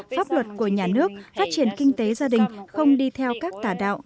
pháp luật của nhà nước phát triển kinh tế gia đình không đi theo các tà đạo